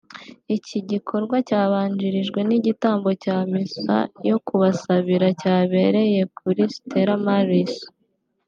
Iki gikorwa cyabanjirijwe n’igitambo cya misa yo kubasabira cyabereye kuri Stella Maris